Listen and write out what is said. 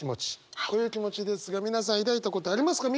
こういう気持ちですが皆さん抱いたことありますか？